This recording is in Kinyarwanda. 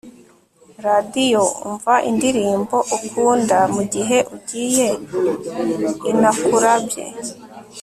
radiyo; umva indirimbo ukunda mugihe ugiye i nakulabye